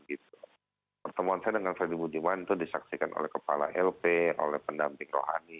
itu pertemuan saya dengan freddy budiman itu disaksikan oleh kepala lp oleh pendamping rohani